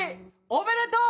おめでとう！